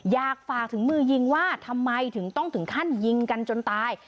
อยากฝากถึงมือยิงว่าทำไมถึงต้องถึงขั้นยิงกันจนตาย